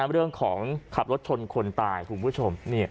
เรื่องของขับรถชนคนตายคุณผู้ชม